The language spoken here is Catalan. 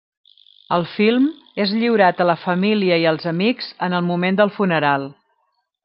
El film és lliurat a la família i als amics en el moment del funeral.